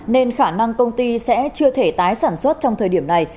nên khả năng công ty sẽ chưa thể tái sản xuất trong thời điểm này